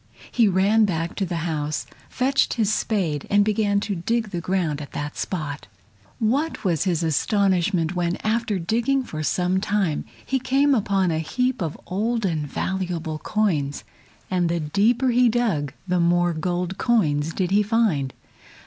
He ran back to the house, fetched his spade and began to dig the ground at that spot. What was his astonishment when, after digging for some time, he came upon a heap of old and valuable coins, and the deeper he dug the more gold coins did he find.